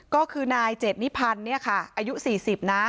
ก็คือนายเจ็ดนิพันธุ์อายุ๔๐นะ